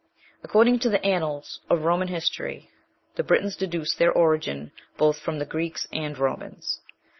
According to the annals of the Roman history, the Britons deduce their origin both from the Greeks and Romans.